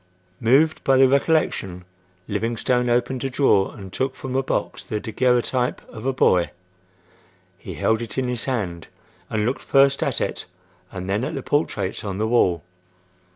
Moved by the recollection, Livingstone opened a drawer and took from a box the daguerreotype of a boy. He held it in his hand and looked first at it and then at the portraits on the wall.